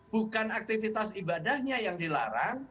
bukan aktivitas ibadahnya yang dilarang